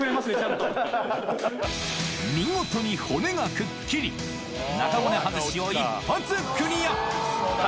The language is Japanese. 見事に骨がくっきり中骨外しを一発クリア！